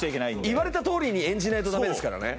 言われたとおりに演じないとダメですからね。